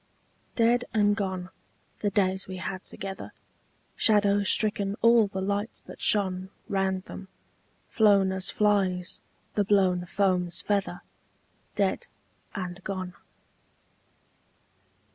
DEAD and gone, the days we had together, Shadow stricken all the lights that shone Round them, flown as flies the blown foam's feather, Dead and gone.